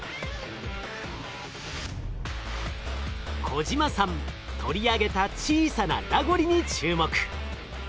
小島さん取り上げた小さなラゴリに注目。